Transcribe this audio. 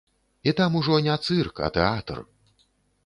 І там ужо не цырк, а тэатр.